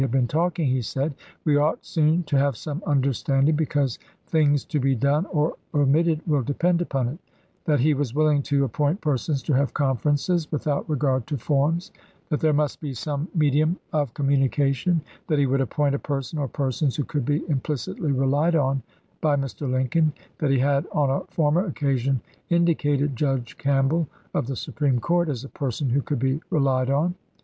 In relation to the mode of effecting the object about which we had been talking, he said ' we ought soon to have some understanding, because things to be done or omitted will depend upon it '; that he was willing to appoint persons to have conferences, without regard to forms ; that there must be some medium of communication ; that he would appoint a person or persons who could be implicitly relied on by Mr. Lincoln ; that he had on a former occa sion indicated Judge Campbell, of the Supreme Court, as a person who could be relied on.